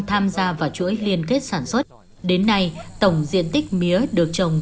tham gia vào chuỗi liên kết sản xuất đến nay tổng diện tích mía được trồng